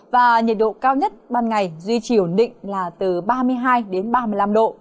và nhiệt độ cao nhất ban ngày duy trì ổn định là từ ba mươi hai đến ba mươi năm độ